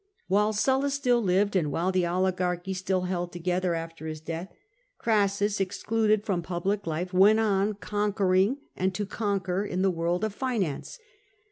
While Sulla still lived, and while the oligarchy stHl hung together after his death, Crassus, excluded from public life, went on conquering and to conquer in the world of finance.